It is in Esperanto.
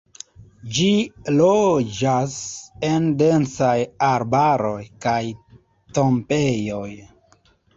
Ĝi loĝas en densaj arbaroj, kaj tombejoj.